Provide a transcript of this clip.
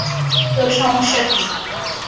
তোর সমস্যা কি?